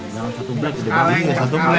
kalau satu seblek udah bagus ya